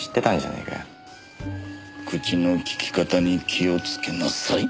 口の利き方に気をつけなさい。